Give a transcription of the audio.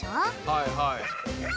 はいはい。